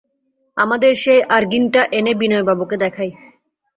আমাদের সেই আর্গিনটা এনে বিনয়বাবুকে দেখাই।